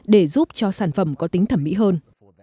để giúp cho sản phẩm có tính thẩm mỹ hơn